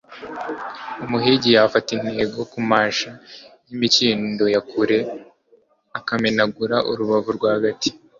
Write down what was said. umuhigi yafata intego kumashami yimikindo ya kure akamenagura urubavu rwagati